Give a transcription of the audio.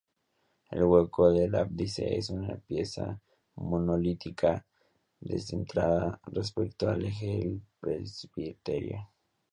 El hueco del ábside es una pieza monolítica descentrada respecto al eje del presbiterio.